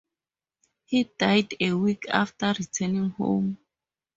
He died a week after returning home.